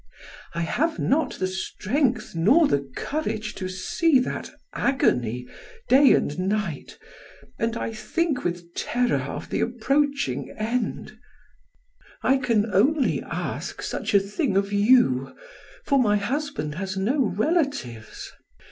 I have not the strength nor the courage to see that agony day and night, and I think with terror of the approaching end I can only ask such a thing of you, for my husband has no relatives.